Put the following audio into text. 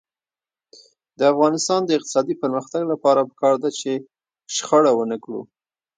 د افغانستان د اقتصادي پرمختګ لپاره پکار ده چې شخړه ونکړو.